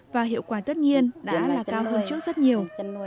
và hiệu quả tất nhiên đã là cao hơn trước rất nhiều